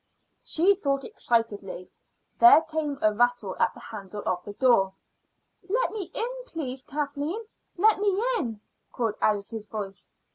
She thought excitedly. There came a rattle at the handle of the door. "Let me in, please, Kathleen; let me in," called Alice's voice.